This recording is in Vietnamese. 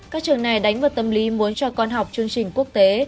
các trường này đánh vào tâm lý muốn cho con học chương trình quốc tế